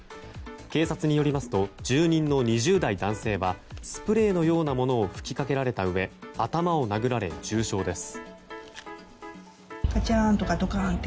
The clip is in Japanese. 警察によりますと住人の２０代男性はスプレーのようなものを吹きかけられたうえ頭を殴られ重傷です。